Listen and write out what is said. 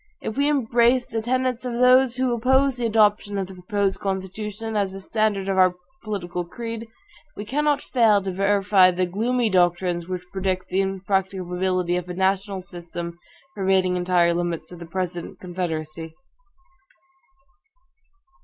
If we embrace the tenets of those who oppose the adoption of the proposed Constitution, as the standard of our political creed, we cannot fail to verify the gloomy doctrines which predict the impracticability of a national system pervading entire limits of the present Confederacy.